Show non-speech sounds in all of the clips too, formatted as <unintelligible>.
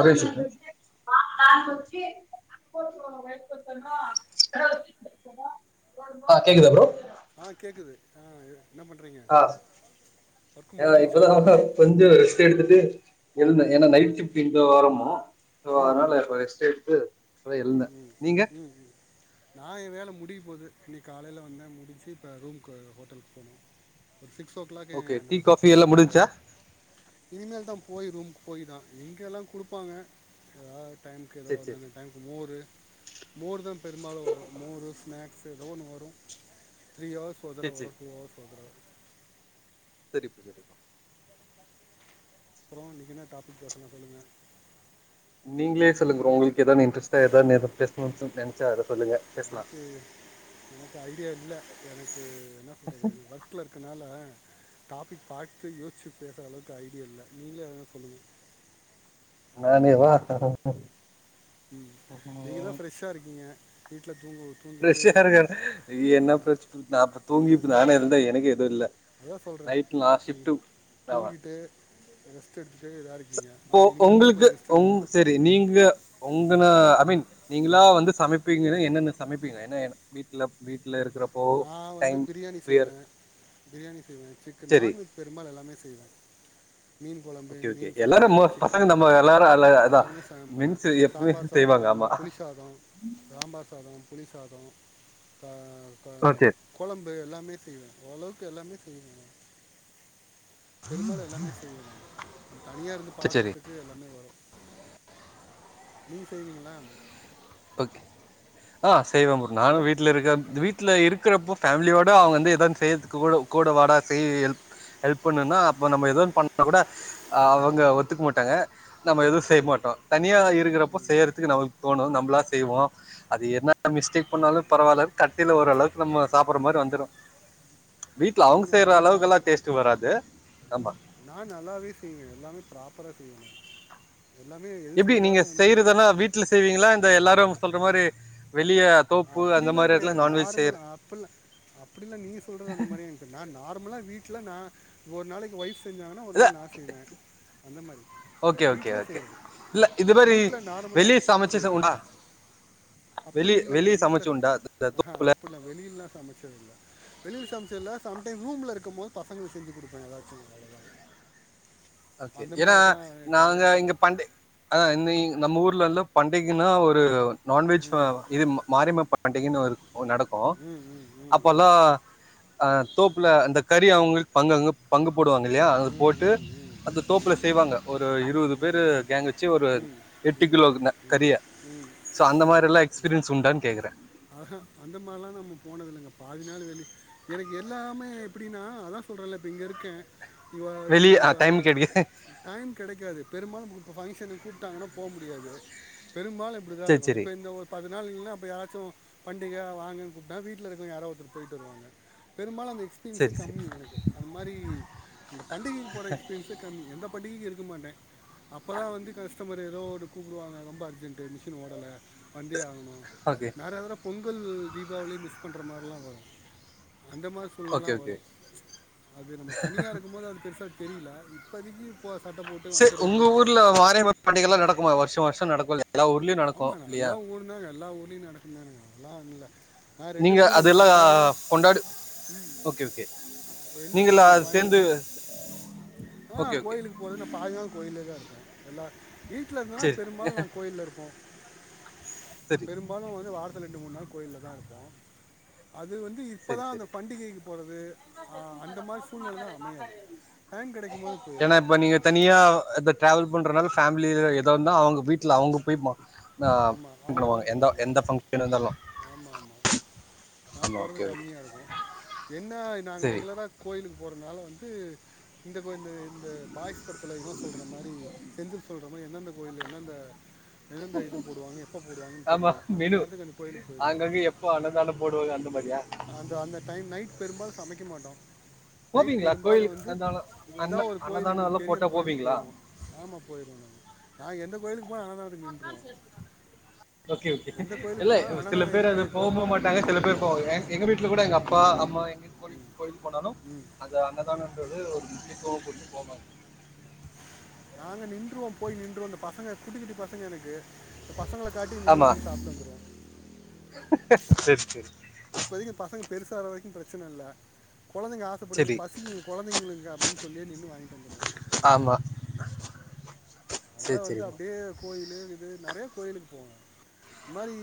ஒரு மிஷோ ப்ரோ ஆ கேக்குதா ப்ரோ ஆ கேக்குது ஆ என்ன பண்ணுறீங்க ஆ ஒர்க் இல்லல முடிஞ்சிருச்சா இப்பதா வந்து தேடு த்துட்டு இருந்தே ஏனா ம் நைட் ஷிஃப்ட்டு இந்த வாரமு ஆ சோ ம் அதனால ம் இப்ப ரெஸ்ட் எடுத்து இப்ப தா எழுந்த நீங்க நா ஏ வேல முடிய போது இன்னைக்கு காலைல வந்தே முடிச்சு இப்ப ரூம்க்கு ஹோட்டல் க்கு போணு ஒரு சிக்ஸ் ஓ கிளாக்கே ஓகே டீ என்னோட காஃபி பஸ்ஸு எல்லா ஸ்டார்ட் முடிஞ்ச்சா ஆகிரிடு இனிமேல் தா போய் ரூம் போய் தா இங்கெல்லா குடுப்பாங்க <unintelligible> டைம் கோ எதோ சேரி சேரி டைம் <unintelligible> மோரு மோர் தா பெரும்பாலு வரு மோரு ஸ்நாக்ஸு எதோ ஒன்னு வரு த்ரீ ஹவர்ஸ்க் ஒரு சேரி தர வரு சேரி டூ ஹர்வர்ஸ்க் ஒரு தர வரு செரிப்பா செரிப்பா அப்ற இன்னைக்கு என்ன டாபிக் பேஸ்லா சொல்லுங்க நீங்களே சொல்லு ப்ரோ ஒங் எதோன்னு இன்ட்ரெஸ்டா எதன்னு எத பேச <unintelligible> நெனச்சா அத சொல்லுங்க பேஸ்லா எனக்கு எனக்கு ஐடியா இல்லை எனக்கு என்ன சொல்றது ஒர்க்ல இருக்கறனால டாபிக் பாத்து யோசிச்சு பேசுற அளவுக்கு ஐடியா இல்ல நீங்களே எதாது சொல்லுங்க நானே வா ம் நீங்க தா பிரெஷ்ஷா இருக்கீங்க வீட்டில் தூங்கு தூங்கிட்டு பிரஷ்சாருக்காரு என்ன பிரச் நா இப்ப தூங்கிட் நானே இருந்தே எனக்கே எதுவு இல்ல அதா சொல்றே நைட் நா நீங் ஷிஃப்ட்டு ஆமா தூங்கிட்டு ரெஸ்ட் எடுத்துட் இப்போ ஒங்ளுக்கு ஒங் எடுக்கணும் செரி நீங்க ஒங்கன ஐ மீன் நீங்ளா வந்து சமைப்பீங்கன்னா என்னென்ன சமைப்பீங்க என்ன வீட்ல வீட் நா வந்து பிரியாணி இரு செய்வே பிரியாணி செய்வே சிக்கன் சரி நான்வெஜ் பெரும்பாலு எல்லாமே செய் வே மீன் கொழம்பு ஓகே ஓகே மீன் எல்லாரு ஃப்ரையி மோ பசங்க சிக்கனு நம்ம எல்லாரு அதா எல்லாருமே சமப்போ மீன்ஸ் எப்பவுமே சாம்பார் செய்வாங்க சாதம் ஆமா புளி சாதோ சாம்பார் சாதோ புளி சாதோ க ஓகே கொழம்பு எல்லாமே செய்வே ஓரளவுக்கு எல்லாமே செய்வே பெரும்பாலு எல்லாமே செய்வே நானு நம்ப தனியா இருந்து சரி சரி சரி, பழகற்துக்கு எல்லாமே வரு நீங்க செய்வீங்ளா ஓகே ஆ செய்வே ப்ரோ நானு ஹலோ வீட்ல இருக்கே இந்த வீட்ல இருக்குறப்போ ஃபேமிலியோட அவங்க வந்து எதான்னு செய்துக்கு குட கூட வாடா செய் ஹெல் ஹெல்ப் பண்ணு னா அப்ப நம்ப எதோன் பண்ணா குட அவங்க ஒத்துக்க மாட்டாங்க நம்ப எதுவு செய் மாட்டோ தனியா இருக்குறப்போ செய்றதுக்கு நமக்கு தோனு நம்ளா செய்வோ அது என்ன மிஸ்டேக் பண்ணாலு பரவால கத்தில ஓரளவுக்கு நம்ப சாப்பர்ற மாரி வந்துரு வீட்ல அவங்க உண்மையா செய்யற அது நா அளவுக்கெல்லா டேஸ்ட்டு வராது ஆமா நா நல்லாவே செய்வே எல்லாமே ப்ராப்பரா செய்வே நா எப்டி நீங்க வந்து செய்றதெல்லா வீட்ல செய்வீங்களா இந்த எல்லாரு சொல்ற மாரி வெளிய தோப்பு அந்த அப்டிலா மாரி எடத்துல கெடையாது நான்வெஜ் செய்ற நார்மல் அப்பிலா அப்டிலா நீங்க சொல்றது அந்த மாரி எனக்கு நா நார்மலா வீட்ல நா ஒரு நாளைக்கு ஒய்ஃப் செஞ்சாங்கன்னா ஒரு இல்ல நாள் நா செய்வே அந்த மாரி ஓகே ஓகே வீட்லே ஓகே செய்றது இல்ல இது மாரி வீட்ல நார்மலா வெளிய சமைச்சு ச செய்றது உண்டா அப்டி வெளிய இல்லங்க வெளிய வீட்ல சமைச்சு உண்டா இந்த அஹ தோப்புல அப்புட்லா வெளியில்லா சமச்சது இல்ல வெளியில சமச்சது இல்ல சம் டைம் ரூம்ல இருக்கம் போது பசங்களுக்கு செஞ்சி குடுப்பே எதாச்சு அவ்ளோதா ஓகே ஏன்னா நாங்க இங்க பண்டி அ நீங் நம்ம ஊர்ல எல்லா பண்டிகின்னா ஒரு நான்வெஜ் ஃப ம் இது மாரிம்ம ப பண்டிகன்னு வருது ஓ நடக்கு ம் ம் ம் ம் அப்பல்லா அ தோப்புல அந்த கறி அவங்களுக் பங்கங்க பங்கு போடுவாங்க இல்லையா அது ம் ம் போட்டு ம் அந்த தோப்புல ம் செய்வாங்க ஒரு இருவது ம் ம் பேரு கேங் வச்சு ஒரு ம் எட்டு ம் கிலோ ம், ம் கறிய ம் சோ அந்த ஆமாம் மாரி எல்லா எக்ஸ்பீரின்ஸ் உண்டான்னு கேக்கறே ஆஹா அந்த மாதிரிலாம் நம்ம போனது இல்லைங்க பாதி நாள் வெளி எனக்கு எல்லாமே எப்படின்னா அதா சொல்றேல்ல இப்ப இங்க இருக்கே இவ இந்த வெளிய ஆ மிந்தபா டைம் கேட்டீங்க டைம் கிடைக்காது பெரும்பாலும் ஃபங்ஷனு கூப்ட்டாங்கன்னா போக முடியாது பெரும்பாலு இப்படிதா சேரி இருக்கு சேரி இப்ப இந்த ஒரு பத்துநாளில்ல அப்பயாறாச்சு பண்டிகை வாங்கன்னு கூப்பிட்டா வீட்டுல இருக்க யாரா ஒருத்தர் போய்ட்டு வருவாங்க பெரும்பாலந் த எக்ஸ்பீன்ஸே சேரி சேரி கம்மி எனக்கு அது மாரி இந்த பண்டிகைக்கு போறேனு பேசிட்ருத்தீங்க எந்த பண்டிகைக்கு இருக்க மாட்டேன் அப்பதான் வந்து கஸ்டமர் ஏதோ ஒன்னு கூப்டுவாங்க ரொம்ப அர்ஜென்ட்டு மிஷினு ஓடல வந்தே ஆகணும் ஓகே வேற எதனா பொங் ங்கல் தீபாவளி மிஸ் பண்ற மார்லாம் வரும் அந்த மார் சூழ்நெலலா ஓகே ஓகே வரும் அது நம்ம தனியா இருக்கும்போது அது பெருசா தெரியில இப்பதைக்கி செரி இப்ப உங்க ஊர்ல வாரேவா பண்டிகைலாம் நடக்குமா வருஷா வருஷம் நடக்குல்லயா ஆமாணா எல்லா ஊர்னா எல்லா ஊர்லயும் நடக்குந்தானே நான் இல்ல நான் ரெண்டு நீங்க ஊரு ஒன்னு அதெல்லாம் சேலம் கொண்டாடு ம் ஓகே ஓகே ரெண்டு ஊரு நீங்களா ஒண்ணு அது சேர்ந்து கோயம்புத்தூர் ஆஹ ஓகே ஓகே கோயிலுக்கு போறே நான் பாதி நேர கோயிலே தான் இருப்பேன் எல்லா வீட்ல இருந்தனா சரி பெரும்பாலும் நாங்க கோயில்ல இருப்போம் சரி பெரும்பாலும் வந்து வாரத் துல ரெண்டு மூணு நாள் கோயில்ல தான் இருப்போம் அது வந்து இப்போ செரி தான் அந்த செரி பண்டிகைக்கு போகிறது அந்த மாதிரி சூழ்நிலை தான் அமையாது டைம் கிடைக்கும் போது ஏன்னா போயிடும் இப்ப நீங்க தனியா ட்ராவல் பண்றனால ஃபேமிலயெ எதாந்தா அவங்க வீட்ல அவுங்க போய்ப்பாங்க ஆமாம் அ அவங்க பண்ணுவாங்க தான் எந்த போவாங்க எந்த ஆமாம் பங்க்ஷனாந் தாலும் நா போறது கம்மியா இருக்கு என்ன நாங்க சரி ரெகுலரா கோயி லுக்கு போறதுனால வந்து இந்த கோயிலு இந்த இந்த பாய்ஸ் படத்துல இவ சொல்ற மாரி செந்தில் சொல்றமாரி எந்தெந்த கோயில்லு எந்தெந்த எந்தெந்த இடம் ஆமா மெனு கோயிலுக்கு போயிடுவோம் அங்கங்க எப்போ அண்ணந்தான போடுவாங்க நிம்மதியா அந்த அந்த டைம் நைட் பெரும்பாலு சமைக்க மாட்டோ நைட் போவீங்களா பெரும்பாலு கோயிலுக்கு வந்து அன்னதானம் ஏதா அன்ன ஒரு கோயில் அன்னதானம் எங்களுக்கு எல்லாம் தெரியு போட்டா அந்த கோயிலுக்கு போவீங்களா போயிருவோ ஆமா போயிருவோ நாங்க நா எந்த சும்மா அண்ணதானத்துக்கு நின்றுவோ ஓகே ஓகே இல்ல சில பேர் அது போகவு மாட்டாங்க ம் சில பேர் போவாங்க எங்க வீட்ல இப்ப கூட எங்க அப்பா அம்மா எங் க கோயில் ம் கோயிலுக்கு போனாலு ம் அந்த அண்ணதானன்றது ஒரு முடிப்போ கூப்ட்டு போமாட் நாங்க நின்றுவோ போய் நின்றுவோ இந்த பசங்க குட்டி குட்டி பசங்க எனக்கு பசங்களை காட்டி நின்று ஆமா வாங்கி சாப்பிட்டு வந்துடுவோம் சேரி சேரி பெருசு ஆவுர வரைக்கு பிரச்சன இல்ல கொழந்தைங்க ஆசப்படுதுங்க சரி பசிக்குங்க கொழந்தைங்களுக்கு அப்டின்னு சொல்லியே நின்னு வாங்கிட்டு வந்துருவே ஆமா அதனால சரி வந்து சரிம்மா அப்டியே கோயில் லயே இருக்குது நெறைய கோயிலுக்கு போவோ இந்த மாரி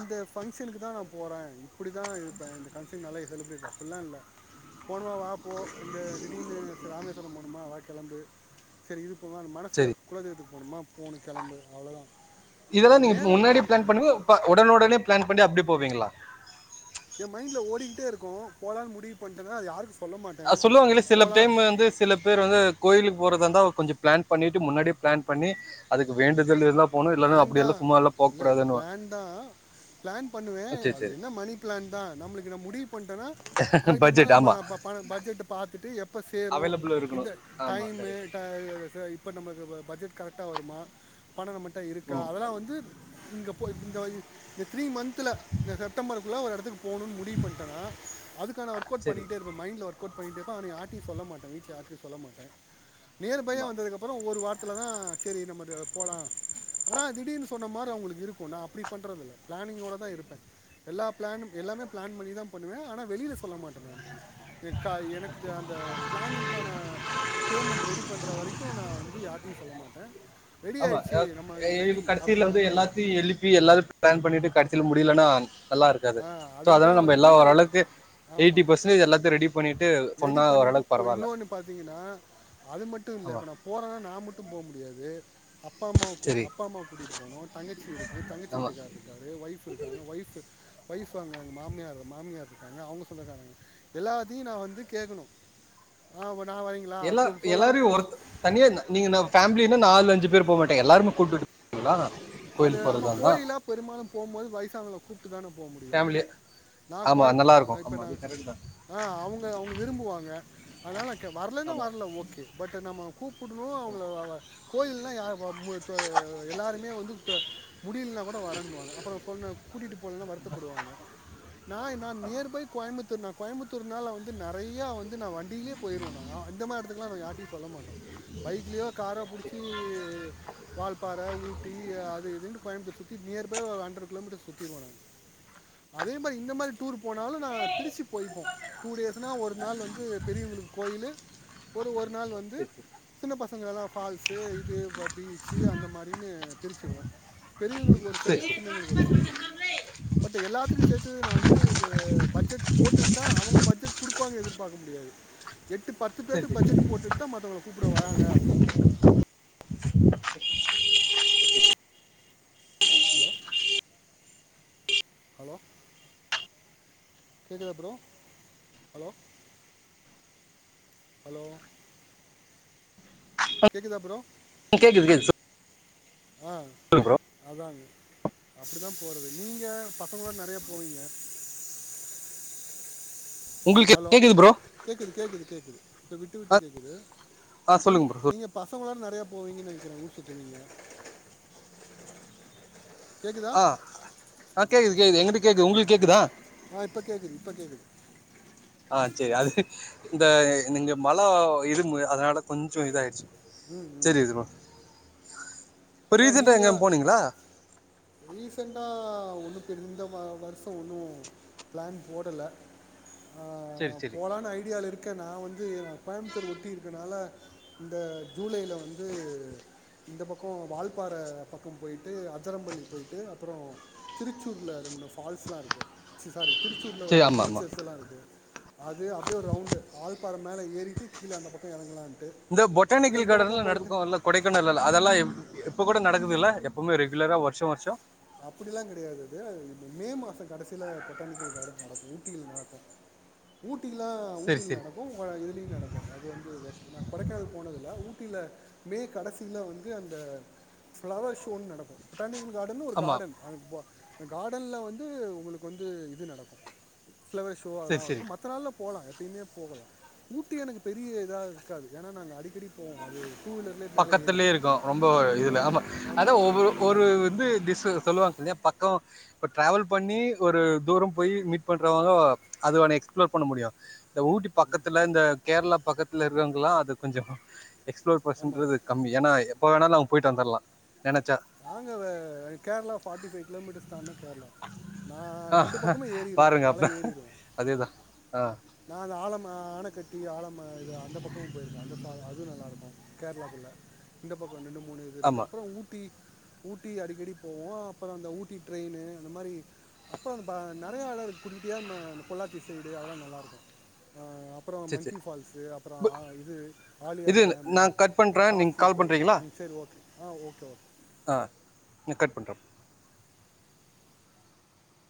இந்த ஃபங்க்ஷனுக்கு தா நா போறே இப்டிதா இருப்பே இந்த ஃபங்க்ஷன் நல்லா எ செலப்ரெட் பா அப்டில்லா இல்ல போனுமா வா போ இந்த திடீர்னு ராமேஸ்வரோ போனுமா வா கெளம்பு சேரி இது போவாங் மனசுல சரி குலதெய்வதக்கு மூடிமா போணு கெளம்பு அவ்வளோதா இதெல்லா நீங்க முன்னாடி பிளான் பண்ணுவீங்களா ப ஒடனே ஒடனே பிளான் பண்ணி அப்டி போவிங்களா எ மைண்ட்ல ஓடிக்கிட்டே இருக்கு போலான்னு முடிவு பண்டேனா யாருக்குச் ஆ சொல்லுவாங்கள்ல சில டைம் வந்து சில பேர் வந்து கோயிலுக்கு போறதா இருந்தா கொஞ்சொ பிளான் பண்ணிட்டு முன்னாடியே பிளான் பண்ணி அதுக்கு வேண்டுதல் எல்லா பிளான் தா இல்ல இல்ல பிளான் தா பிளான் பண்ணுவே சரி அது சரி என்ன மணி பிளான் தா நம்மளுக்கு இந்த முடிவு பண் எனா அயூத்தமா பட்ஜெட் மா ஆமா ப பண பட்ஜெட்டு பாத்துட்டு எப் ப சேரு அவைலபிள் இந்த இருக்கணும் ஆமா டைமு கரெக்ட் டா ச இப்ப நமக்கு வ பட்ஜெட் கரெக்டா வருமா பணோ நம்மக் கிட்ட இருக்கா ம் அதெல்லா வந்து இங்க பொ இந்த வை இந்த த்ரீ மந்த்தல இந்த செப்டம்பர் குள்ள ஒரு எடத்துக் போனுன் முடிவு பண்டேனா அதுக்கான ஒர்க் அவுட் சரி பண்ணிட்டே இருப்பேனா மைண்ட்ல ஒர் கோட் பண்ணிட்டு இருப்பே ஆனா யார்ட்டயு சொல்ல மாட்டே வீட்ல யார்ட்டயு சொல்ல மாட்டே நியர் பையா ஆமா வந்ததுக்கப்புற ஒரு வார் த்துல தா சேரி நம்மது போலா ஆனா திடீர்னு சொன்னா மார அவங்களுக்கு இருக்கு நா அப்பிடி பண்றதில்ல பிளானிங்கோட தா இருப்பே எல்லா பிளானும் எல்லாமே பிளான் பண்ணி தா பண்ணுவே ஆனா வெளில சொல்ல மாட்டே நானு எக்கா எனக்குது அந்த பிளானிங்க்கான பேமெண்ட் ரெடி பண்ற வரைக்கு நா வந்து யார்ட்டையு சொல்ல மாட்டே ரெடி ஆயி ஏ கடைசியில வந்து எல்லாத்தையு எழுப்பி எல்லா பிளான் பண்ணிட்டு கடைசியில முடி முடியலனா நல்ல இருக்காது சொல்கிறேன் சோ அதுக்கு அதனால தான் நம்ப எல்லா வந்து ஓரளவுக்கு எய்ட்டி ஆமாம் பர்சன்டேஜ் எல்லாத்தையு ரெடி பண்ணிட்டு ரெடி சொன்னா பண்ணிட்டு ஓரளவுக்கு பரவாயில்ல இன்னொன்னு பாத்தீங்கன்னா அது மட்டு இல்ல ஆமா இப்ப நா போறேன்னா நா மட்டு போ முடியாது அப் ப்பா அம்மாவ கூ சரி அப்பா அம்மாவ கூட்டிட்டு போவனு தங்கச்சி இருக்கு தங்கச்சி ஆமா வீட்டுக்கார் இருக்காரு ஒய்ஃப் இருக்காங்க ஒய்ஃப் வைஃப் அவுங்க எங்க மாமியார் மாமியார் இருக்காங்க அவங்க சொந்தக்காரங்க எல்லாத்தையு நா வந்து கேக்கணு நா எல்லா எல்லாரையு ஒருத் தனியா நீங்க நா ஃபேமிலி இன்ன நாலு அஞ்சு பேர் போக மாட்டே எல்லாருமே கூட்டுட்டு <inaudible> ங்களா அது ஆமா கோயிலா பெரும்பாலும் போம்போது வயசாங்கல கூட்டு தானே போ முடியு ஃபேமிலியா நா ஆமா கோயம் நல்லா இருக்கும் இப்ப ஆமா நா அது கரெக்ட் தான் ஆ அவுங்க அவுங்க விரும்புவாங்க அதனால க வரலனா ஆமா வரல ஓகே பட் நம்ம கூப்புடுனு அவுங்கல <unintelligible> அ மு து எல்லாருமே வந்து த முடியலனா கூட வரன்னுவாங்க அப்புறம் சொன்ன கூட்டிட்டு போலனா வருத்தப்படுவாங்க நா நா நியர்பை கோய முத்தூர் நா கோயம்பத்தூர்னால வந்து நறையா வந்து நா வண்டிலேய போயிருவே நா இந்த மாரி எடத்துக்லா நா யார்ட்டயு சொல்ல மாட்டே பைக்லயோ காரோ புடிச்சி வால்பாற ஊட் டி அ து இதுன்ட்டு கோயம்புத்தூர் சுத்திட்டு நியர்பை ஒரு ஹண்ட்ரட் கிலோமீட்டர் சுத்திடுவோ நாங்க அதே மாரி இந்த மாரி டூர் போனாலு நா திருச்சி போய்ப்போ டூ டேஸ்னா ஒரு நாள் வந்து பெரியவுங்களுக்கு கோயிலு ஒரு ஒரு நாள் வந்து சரி சின்ன பசங்களல்லா ஃபால்ஸு இது பீச்சு அந்த மாரின்னு பிரிச்சிருவோ பெரியவங்களுக்கு ஒரு சரி செட்டு சின்னவங்களுக்கு ஒரு செட்டு பட் எல்லாத்துக்கு சேத்து நா வந்து இது பட்ஜெட் போட்டுட்தா அவங்க பட்ஜெட் குடுப்பாங்க எதிர்பாரக்க முடியாது எட்டு பத்து சரி பேருக்கு சரி பட்ஜெட்டு சரி போட்டுட்டு தா மத்தவங் கூப்பட வராங்க அப்படின்னு கூப்டுவாங்க ஹலோ ஹலோ கேக்குதா ப்ரோ ஹலோ ஹலோ கேக்குதா ப்ரோ கேக்குது கேக்குது சொ- ஆ அதாங்க அப்படிதா போறது நீங்க பசங்களோட நறையா போவீங்க உங்களுக்கு கே- ஹலோ கேக்குது ப்ரோ கேக்குது கேக்குது கேக்குது இப்ப விட்டு விட்டு கேக்குது ஆ நீங்க சொல்லுங்க ப்ரோ சொல் நீங்க பசங்களோட நறையா போவீங்கன் நெனைக்கிறே ஊர் சுத்த நீங்க கேட்குதா ஆ ஆ கேக்து கேகுது எங்கிட்டி கேக்கு உங்குள்க் கேக்குதா ஆ இப்ப கேக்குது இப்ப கேக்குது சேரி அது இந்த நிங்க மழ இருமு அதனால கொஞ்சோ இதாயிருச்சு ம் ம் இப்போ அத ரீசெண்டாக நீங்க எங்கே போனீங்களா ரீசண்டா ஒன்னு தெர் இந்த வ வர்ஷோ ஒன்னு பிளான் போடல அ சரி சரி போலான் ஐடியால இரு க்க நா வந்து அ கோயம்முத்தூர் ஒட்டி இருக்கனால இந்த ஜூலையில வந்து இந்த பக்கோ வால்பாற பக்கம் போயி ட்டு அதரம்பல்லி போயிட்டு அப்றோ திருச்சூர்ல ரெண் மூனு ஃபால்ஸ்லா இருக்கு சி சாரி திருச்சூர்ல சரி வர ஆமா ஆமா பீச்சஸ் எல்லா இருக்கு அது அப்டே ஒ ரவுண்டு ஆல் ப்ப அத மேல ஏறிட்டு கீழ அந்த பக்கொ எறங்கலான் இந்த பொட்டானிக்கல் காடன் எல்லா நடக்கு இல்ல கொடைக்கானல் எல்ல அதல்லா எ இப்ப கூட நடக்குது இல்ல எப்புமே ரெகுலரா வர்ஷோ வர்ஷோ அப்பிடி எல்லா கெடையாது அது அது ம மே மாச கடைசில பொட்டானிக்கல் காடன் நடக்கு ஊட்டியில் நடக்கு ஊ ட்டியிலா சரி ஊட்டியில் சரி நடக்கு வ இதுலியு நடக்கு அது வந்து <unintelligible> கொடைக்கானல் போனதில்ல ஊ ட்டில மே கடைசில வந்து அந்த ஃபிளவர் ஷோன் நடக்கு பொட்டானிக்கல் காடனு ஆமா காடன் அங்குட் பா காடன்ல வந்து உங்குளுக்கு வந்து இது நடக்கு ஃபிளவர் ஷோ அதல்லா சரி சரி வரு மத்த நாள்ல போலா எப்பிமே போகலா ஊட்டி எனக்கு பெரிய இதா இருக்காது ஏனா நாங்க அடிக்கடி போவோ அது டூ வீலர்லேயே மேலே பக்கத்துல்யே ஏறிடுவோம் இருக்கு ரொம்ப இதுல ஆமாம் ஆமா அத ஆமாம் ஒவ்வொரு ஆ ஒரு வந்து திசு சொல்லுவாங் தில்லியா பக்கோ இப்ப டிராவல் பண்ணி ஒரு தூரம் போய் மீட் பண்றாவங்க அதுவனே எக்ஸ்பிஃளோர் பண்ண முடியு ந்த ஊட்டி பக்கத்துல இந்த கேர்ளா பக்கத்துல இருக்கவங்க்களா அது கொஞ்சொ எக்ஸ்ப் ஆமாம் பர்சன்றது கம்மி ஏனா எ போ வேணாலு அவுங் போயிட்டு வந்தர்லா நாங்க வ Kerala forty five kilo metres தாண்னா கேர்ளா நா ஆ ரெண்டு பக்கமு ஏறிருவோ பாருங்க மல அப்ப ஏறிருவோ ம் அதேதா ஆ நா அது ஆழ மா ஆணக்கட்டி ஆழம்ம இது அந்த பக்கமு போயிருக்க அந்த ஃபால் அது நல்லா இருக்கு கேர்ளாக்குள்ல இந்த ப வ நெண்டு மூணு இது இருக்கு ஆமா அப்புறோ ஊட்டி ஊட்டி அடிக்கடி போவோ அப்புற அந்த ஊட்டி ட்ரெயினு அந்த மாரி அப்புறோ அந்த ப நெறைய அட இருக்கு குட்ட குட்டியா நம்ம அந்ந பொள்ளாத்தி சைடு அதெல்லா நல்லா இருக்கு அப்புறோ சேர் மங்கி ஃபால்ஸு அப்புறோ சேர் ஆ இது ஆலியார் இது டேமு நா கட் பண்றே காஸ் நீங்க கால் ஸ்லிப்பு பண்றீங்களா ம் செரி ஓகே ஆ ஓகே ஓகே ஆ ந கட் பண்றே